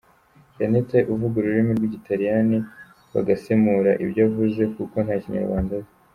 Jeannette uvuga ururimi rw’igitaliyani, bagasemura ibyo avuze kuko nta Kinyarwanda azi.